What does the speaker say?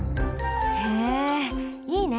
へえいいね！